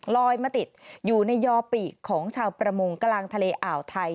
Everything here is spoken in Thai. ลอยมาติดอยู่ในยอปีกของชาวประมงกลางทะเลอ่าวไทย